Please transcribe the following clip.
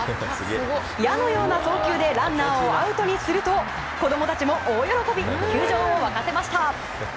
矢のような送球でランナーをアウトにすると子供たちも大喜び球場を沸かせました。